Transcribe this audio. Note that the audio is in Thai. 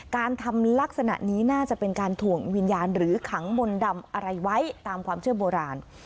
การทำลักษณะนี้น่าจะเป็นการถ่วงวิญญาณหรือขังมนต์ดำอะไรไว้ตามความเชื่อโบราณ